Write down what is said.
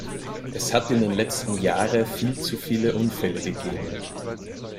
Es hat in den letzten Jahre viel zu viele Unfälle gegeben.